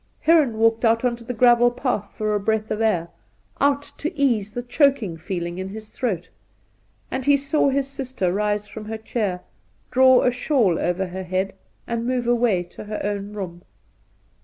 Heron walked out on to the gravel path for a breath of air — out to ease the choking feeling in his throat ; and he saw his sister rise from her chair, draw a shawl over her head, and move away to her own room.